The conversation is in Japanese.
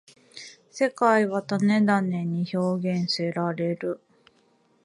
世界は種々に表現せられる。